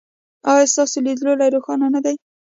ایا ستاسو لید لوری روښانه نه دی؟